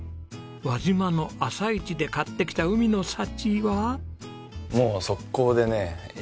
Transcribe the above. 輪島の朝市で買ってきた海の幸は？